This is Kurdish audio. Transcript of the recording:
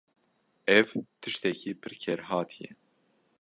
Ev tiştekî pir kêrhatî ye.